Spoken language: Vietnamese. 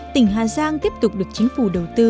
tỉnh hà giang tiếp tục được chính phủ đầu tư